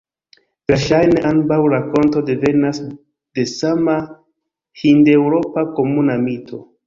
Verŝajne ambaŭ rakonto devenas de sama hindeŭropa komuna mito.